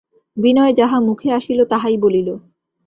বিনয় যাহা মুখে আসিল তাহাই বলিল।